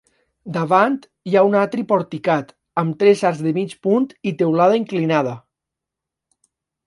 Davant hi ha un atri porticat amb tres arcs de mig punt i teulada inclinada.